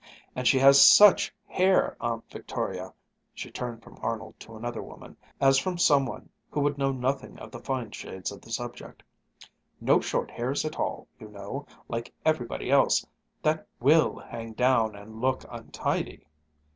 And she has such hair, Aunt Victoria!" She turned from Arnold to another woman, as from some one who would know nothing of the fine shades of the subject. "No short hairs at all, you know, like everybody else, that will hang down and look untidy!"